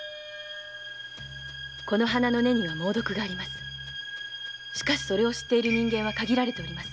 この花の根には猛毒がありますがそれを知る人間は限られています。